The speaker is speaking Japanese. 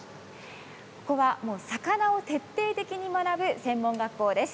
ここはもう魚を徹底的に学ぶ専門学校です。